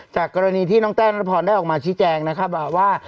จากกรณีที่น้องแต้นพรได้ออกมาชี้แจงนะครับว่า